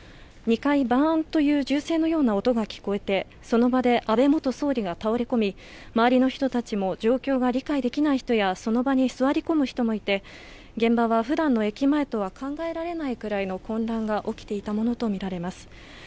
２回、バーンという銃声のような音が聞こえてその場で安倍元総理が倒れこみ周りの人たちも状況が理解できない人やその場に座り込む人もいて現場は普段の駅前とは考えられないくらいの混乱が起きていたものとみられます。